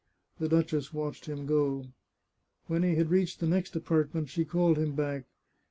The duchess watched him go. When he had reached the next apartment she called him back.